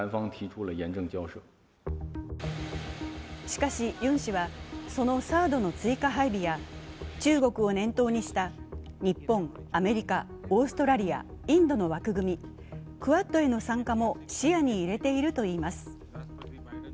しかし、ユン氏そのＴＨＡＡＤの追加配備や中国を念頭にした日本、アメリカ、オーストラリア、インドの枠組み、クアッドへの参加も視野に入れているといいます。